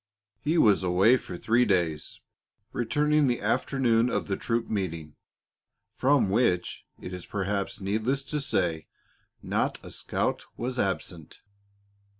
He was away for three days, returning the afternoon of the troop meeting, from which, it is perhaps needless to say, not a scout was absent.